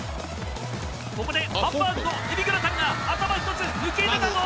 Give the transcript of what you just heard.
ここでハンバーグと海老グラタンが頭１つ抜け出たぞ！